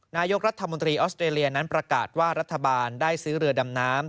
นายกรัฐมนตรีออสเตรเลียนั้นประกาศว่ารัฐบาลได้ซื้อเรือดำน้ำ